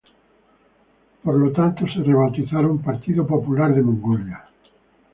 Por lo tanto, se rebautizaron "Partido Popular de Mongolia".